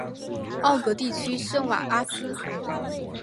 奥格地区圣瓦阿斯。